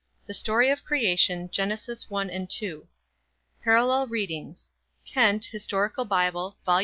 THE STORY OF CREATION Gen. 1 and 2. Parallel Readings. Kent, Historical Bible, Vol.